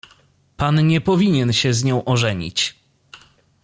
"Pan nie powinien się z nią ożenić."